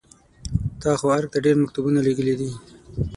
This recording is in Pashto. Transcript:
تا خو ارګ ته ډېر مکتوبونه لېږلي دي.